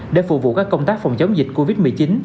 để phục vụ các công tác phòng chống dịch covid một mươi chín